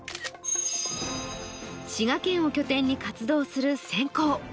滋賀県を拠点に活動するセンコー。